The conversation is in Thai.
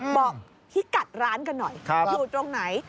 บอกพี่กัดร้านกันหน่อยอยู่ตรงไหน